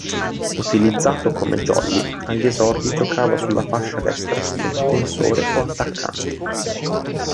Utilizzato come jolly, agli esordi giocava sulla fascia destra come difensore o attaccante.